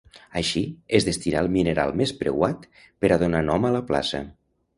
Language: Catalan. Així, es destinà el mineral més preuat per a donar nom a la plaça.